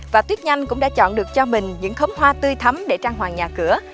và tuyết nhanh cũng đã chọn được cho mình những khóm hoa tươi thấm để trang hoàng nhà cửa